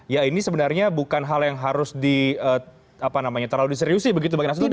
ya ini sebenarnya bukan hal yang harus di apa namanya terlalu diseriusi begitu bagi nasib lu gimana